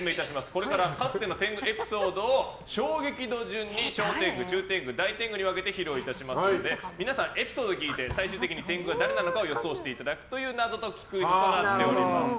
これからかつての天狗エピソードを衝撃度順に小天狗、中天狗、大天狗に分けて披露いたしますので皆さん、エピソードを聞いて最終的に天狗が誰なのかを予想していただくという謎解きクイズとなっております。